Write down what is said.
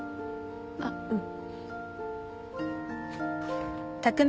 あっうん。